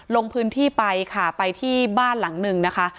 ลงพื้นที่ไปค่ะไปที่บ้านหลังหนึ่งนะคะ